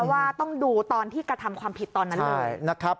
ว่าต้องดูตอนที่กระทำความผิดตอนนั้นเลยนะครับ